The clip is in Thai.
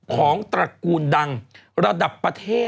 ตระกูลดังระดับประเทศ